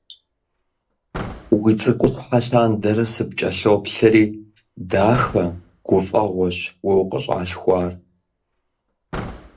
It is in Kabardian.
Уи цӀыкӀущхьэ лъандэрэ сыпкӀэлъоплъри, дахэ, гуфӀэгъуэщ уэ укъыщӀалъхуар.